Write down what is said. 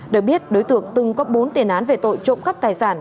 được biết đối tượng từng có bốn tiền án về tội trộm cắp tài sản